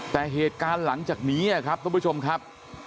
แต่เหตุการณ์หลังจากนี้ครับทุกผู้ชมครับ